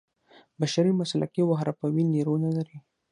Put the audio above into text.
بشري مسلکي او حرفوي نیرو نه لري.